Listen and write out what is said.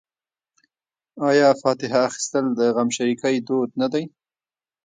آیا فاتحه اخیستل د غمشریکۍ دود نه دی؟